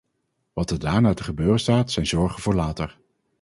Wat er daarna te gebeuren staat, zijn zorgen voor later.